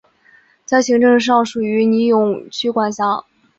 在行政上属于尼永区管辖。